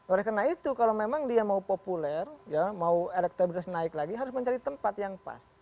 oleh karena itu kalau memang dia mau populer mau elektabilitas naik lagi harus mencari tempat yang pas